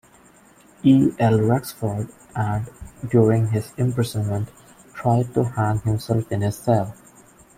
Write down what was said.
E. L. Rexford and, during his imprisonment, tried to hang himself in his cell.